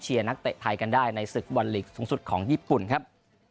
เชียร์นักเตะไทยกันได้ในศึกฟุตบอลลีกสูงสุดของญี่ปุ่นครับ